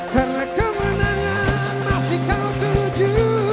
karena kemenangan masih kan tuju